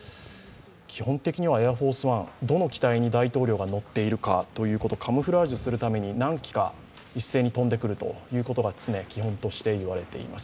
基本的にはエアフォース・ワン、どの機体に大統領が乗っているかカモフラージュするために何機か一斉に飛んでくることが基本と言われています。